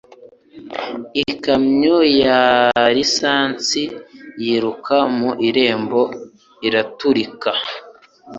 Ikamyo ya lisansi yiruka mu irembo iraturika.